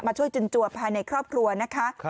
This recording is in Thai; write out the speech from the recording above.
ช่วยจุนจวบภายในครอบครัวนะคะ